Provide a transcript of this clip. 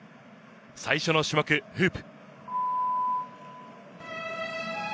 最初の種目フープ。